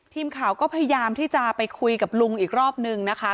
ทีมข่าวก็พยายามที่จะไปคุยกับลุงอีกรอบนึงนะคะ